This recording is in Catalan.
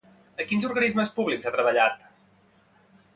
A quins organismes públics ha treballat?